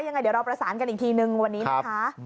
ยังไงเดี๋ยวเราประสานกันอีกทีนึงวันนี้นะคะ